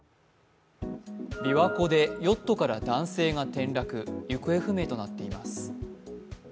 琵琶湖でヨットから男性が転落、行方不明となっています。